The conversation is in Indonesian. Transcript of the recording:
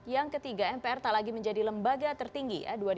yang ketiga mpr tak lagi menjadi lembaga tertinggi